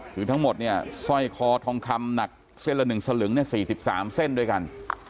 คือทั้งหมดเนี่ยสร้อยคอทองคำหนักเส้นละ๑สลึง๔๓เส้นด้วยกัน